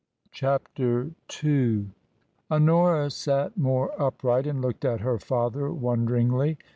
CHAPTER 11. HoNORA sat more upright and looked at her father wonderingly.